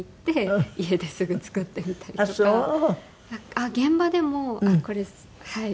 あっ現場でもこれはい。